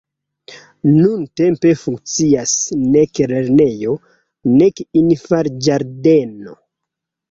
Nuntempe funkcias nek lernejo, nek infanĝardeno.